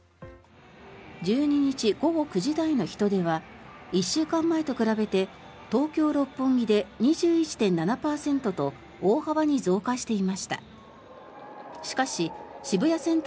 １２日午後９時台の人出は１週間前と比べて東京・六本木で２１．７％と大幅に増加していました。